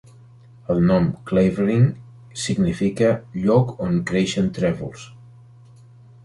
El nom "Clavering" significa "lloc on creixen trèvols".